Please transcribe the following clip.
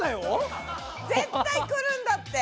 絶対くるんだって。